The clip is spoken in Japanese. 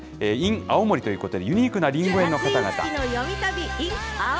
ＩＮ青森ということで、ユニークなりんご園の方々。